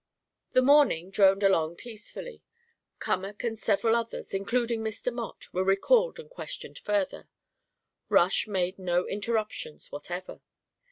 The morning droned along peacefully. Cummack and several others, including Mr. Mott, were recalled and questioned further. Rush made no interruptions whatever.